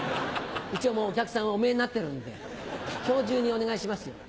一応もうお客さんはおみえになってるので今日中にお願いしますよ。